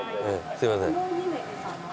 すみません。